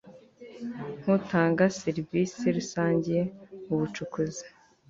nk utanga serivisi rusange mu bucukuzi